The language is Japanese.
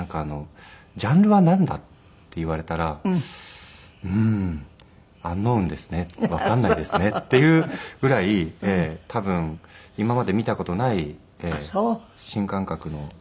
ジャンルはなんだ？って言われたらうーんｕｎｋｎｏｗｎですねわかんないですねっていうぐらい多分今まで見た事ない新感覚のドラマに。